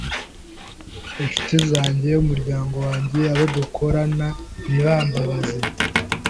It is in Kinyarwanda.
Inshuti zanjye, umuryango wanjye, abo dukorana, ntibambabaze